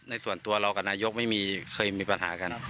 นี่นะครับไม่เคยมีปัญหากัน